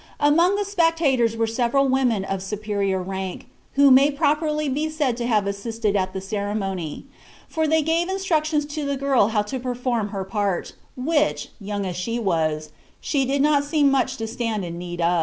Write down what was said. Among the spectators were several women of superior rank, who may properly be said to have assisted at the ceremony; for they gave instructions to the girl how to perform her part, which, young as she was, she did not seem much to stand in need of."